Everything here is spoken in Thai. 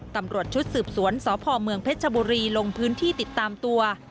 ตำรวจชุดสืบสวนสพเมืองเพชรชบุรีลงพื้นที่ติดตามตัว